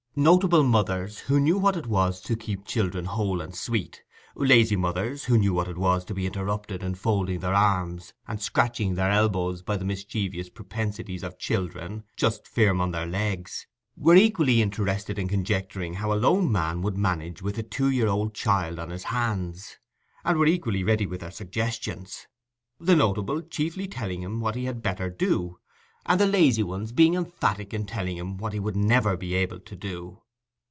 Notable mothers, who knew what it was to keep children "whole and sweet"; lazy mothers, who knew what it was to be interrupted in folding their arms and scratching their elbows by the mischievous propensities of children just firm on their legs, were equally interested in conjecturing how a lone man would manage with a two year old child on his hands, and were equally ready with their suggestions: the notable chiefly telling him what he had better do, and the lazy ones being emphatic in telling him what he would never be able to do.